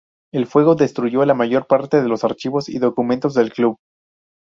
El fuego destruyó la mayor parte de los archivos y documentos del club.